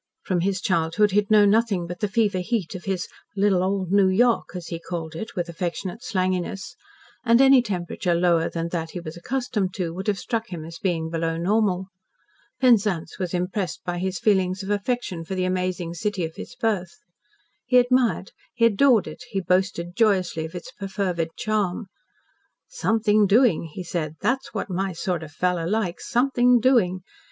From his childhood he had known nothing but the fever heat of his "little old New York," as he called it with affectionate slanginess, and any temperature lower than that he was accustomed to would have struck him as being below normal. Penzance was impressed by his feeling of affection for the amazing city of his birth. He admired, he adored it, he boasted joyously of its perfervid charm. "Something doing," he said. "That's what my sort of a fellow likes something doing.